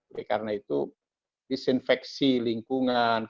jadi karena itu disinfeksi lingkungan